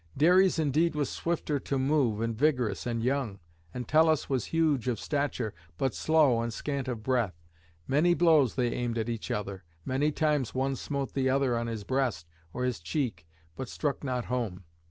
Dares indeed was swifter to move, and vigorous, and young; and Entellus was huge of stature, but slow and scant of breath. Many blows they aimed at each other: many times one smote the other on his breast or his cheek, but struck not home.